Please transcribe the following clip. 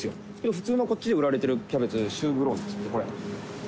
普通のこっちで売られてるキャベツ、シューブロンっていって、これ。